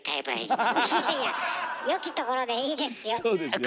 いやいやよきところでいいですよ。